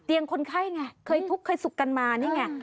คนไข้ไงเคยทุกข์เคยสุขกันมานี่ไง